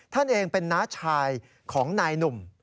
ท่านเองเป็นน้าชายของนายหนุ่ม